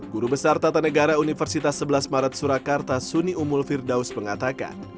guru besar tata negara universitas sebelas maret surakarta suni umul firdaus mengatakan